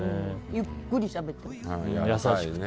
ゆっくりしゃべってる。